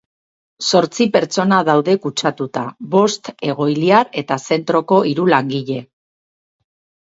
Zortzi pertsona daude kutsatuta, bost egoiliar eta zentroko hiru langile.